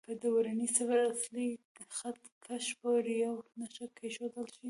که د ورنيې صفر د اصلي خط کش پر یوه نښه کېښودل شي.